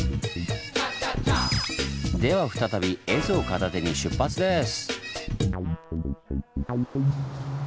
では再び絵図を片手に出発です！ね！